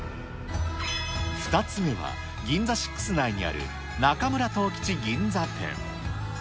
２つ目はギンザシックス内にある中村藤吉銀座店。